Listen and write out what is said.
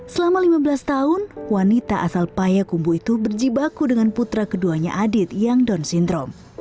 selama lima belas tahun wanita asal payakumbu itu berjibaku dengan putra keduanya adit yang down syndrome